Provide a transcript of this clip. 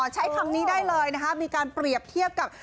ใช้คำนี้ได้เลยนะคะมีการเปรียบเทียบกับ